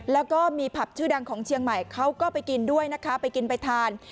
แล้วก็มีผับชื่อดังของเชียงใหม่เขาก็ไปกินด้วยนะคะไปกินไปทาน